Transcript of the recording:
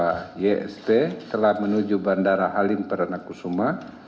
tim kpk telah menuju bandara halim peranakusuma